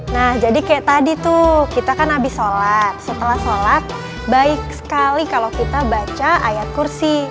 nah jadi kayak tadi tuh kita kan habis sholat setelah sholat baik sekali kalau kita baca ayat kursi